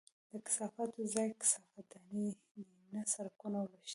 د کثافاتو ځای کثافت دانۍ دي، نه سړکونه او لښتي!